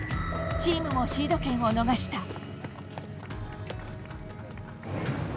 チームもシード権を逃した。